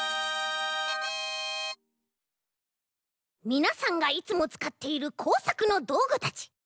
みなさんがいつもつかっているこうさくのどうぐたち。